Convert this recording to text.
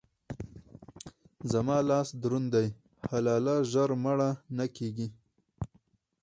زما لاس دروند دی؛ حلاله ژر مړه نه کېږي.